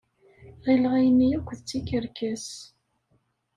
Ɣileɣ ayenni akk d tikerkas.